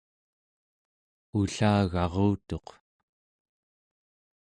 ullagarutuq